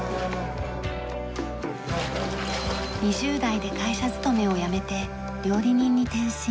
２０代で会社勤めを辞めて料理人に転身。